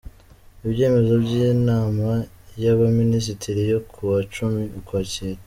Ibyemezo by’inama y’Abaminisitiri yo kuwa cumi Ukwakira